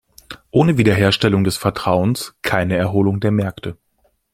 Ohne Wiederherstellung des Vertrauens, keine Erholung der Märkte.